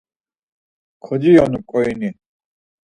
Kociyonu ǩoyini.